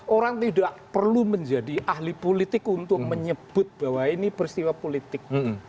orang tidak perlu menjadi ahli politik untuk menyebut bahwa ini peristiwa politik